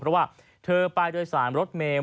เพราะว่าเธอไปโดยสารรถเมล